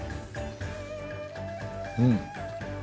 うん。